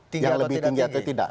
tinggi atau tidak